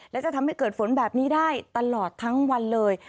และจะทำให้เกิดฝนแบบนี้ได้ตลอดทั้งวันเลย